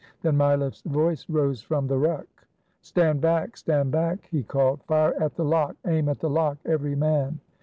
Then Mileff's voice rose from the ruck. "Stand back, stand back!" he called. "Fire at the lock! Aim at the lock, every man!"